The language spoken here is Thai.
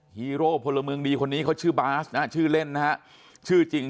ฮีโร่พลเมืองดีคนนี้เขาชื่อบาสนะฮะชื่อเล่นนะฮะชื่อจริง